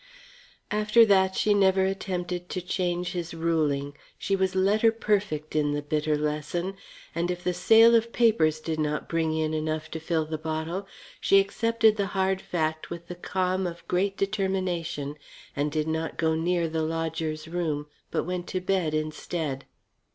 After that she never attempted to change his ruling. She was letter perfect in the bitter lesson, and if the sale of papers did not bring in enough to fill the bottle, she accepted the hard fact with the calm of great determination and did not go near the lodger's room, but went to bed instead.